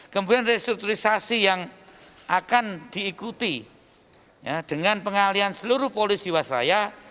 kemudian restrukturisasi yang akan diikuti dengan pengalian seluruh polisi jiwasraya